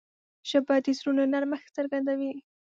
ژبه د زړونو نرمښت څرګندوي